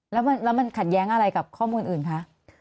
แล้วมันขัดแย้งอะไรกับข้อมูลอื่นคะ